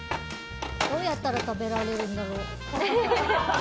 どうやったら食べられるんだろう。